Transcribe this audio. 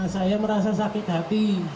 saya merasa sakit hati